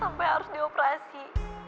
sampai harus dioperasi